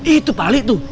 itu pak ali tuh